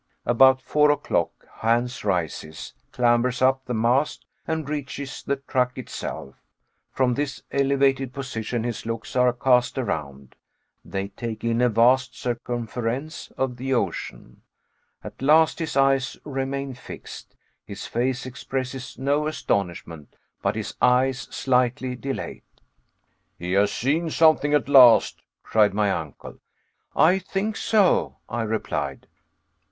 About four o'clock Hans rises, clambers up the mast, and reaches the truck itself. From this elevated position his looks are cast around. They take in a vast circumference of the ocean. At last, his eyes remain fixed. His face expresses no astonishment, but his eyes slightly dilate. "He has seen something at last," cried my uncle. "I think so," I replied.